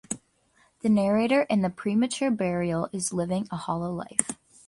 The narrator in "The Premature Burial" is living a hollow life.